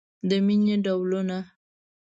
د مینې ډولونه